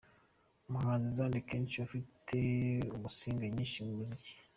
Umuhanzi Zand Kech ufite imisinga myinsi mu muziki.